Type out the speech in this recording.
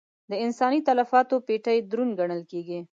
د انساني تلفاتو پېټی دروند ګڼل کېږي.